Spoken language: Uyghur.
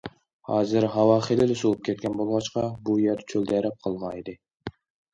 ھازىر ھاۋا خېلىلا سوۋۇپ كەتكەن بولغاچقا، بۇ يەر چۆلدەرەپ قالغان ئىدى.